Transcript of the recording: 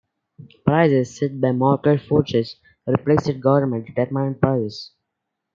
Prices set by market forces replaced government-determined prices.